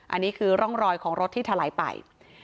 อันนี้คือร่องรอยของรถที่ถลายไป